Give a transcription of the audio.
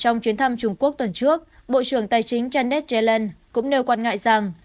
trong chuyến thăm trung quốc tuần trước bộ trưởng tài chính janet zelen cũng nêu quan ngại rằng